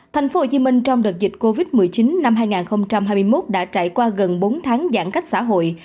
thành phố hồ chí minh trong đợt dịch covid một mươi chín năm hai nghìn hai mươi một đã trải qua gần bốn tháng giãn cách xã hội